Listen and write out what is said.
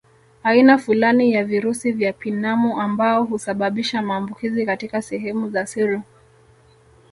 Aina fulani ya virusi vya pinamu ambao husababisha maambukizi katika sehemu za siri